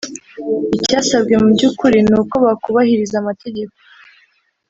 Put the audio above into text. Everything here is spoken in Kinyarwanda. Icyasabwe mu by’ukuri ni uko bakubahiriza amategeko